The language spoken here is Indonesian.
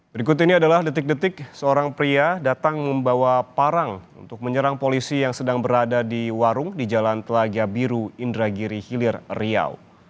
berikut ini adalah detik detik seorang pria datang membawa parang untuk menyerang polisi yang sedang berada di warung di jalan telaga biru indragiri hilir riau